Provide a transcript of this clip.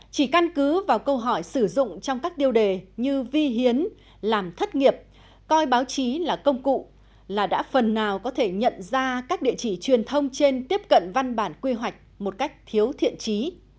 chỉ căn cứ vào câu hỏi sử dụng trong các điều đề như vi hiến làm thất nghiệp coi báo chí là công cụ là đã phần nào có thể nhận ra các địa chỉ truyền thông trên tiếp cận văn bản quy hoạch một cách thiếu thiện trí